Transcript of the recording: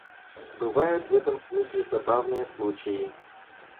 Бывают, в этом смысле, забавные случаи.